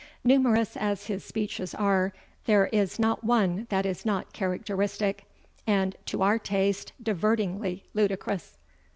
Numerous as his speeches are, there is not one that is not characteristic and, to our taste, divertingly ludicrous."